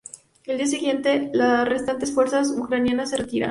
El día siguiente, las restantes fuerzas ucranianas se retiran.